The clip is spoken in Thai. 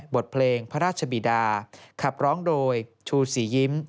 บทเพลงพระราชบีดาขับร้องโดยชูศรียิ้ม